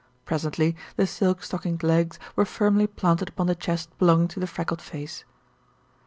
Presently the silk stockinged legs were firmly planted upon the chest belonging to the freckled face.